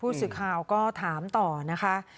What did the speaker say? ผู้สืบข่าวก็ถามต่อนะคะ